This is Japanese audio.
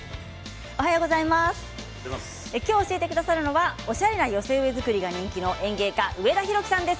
今日、教えてくださるのはおしゃれな寄せ植え作りが人気の園芸家、上田広樹さんです。